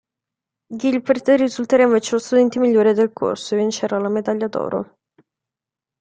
Gilbert risulterà invece lo studente migliore del corso e vincerà la medaglia d'oro.